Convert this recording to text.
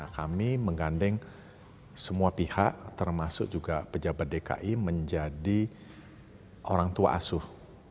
kami menggandeng semua pihak termasuk juga pejabat dki menjadi orang tua asuh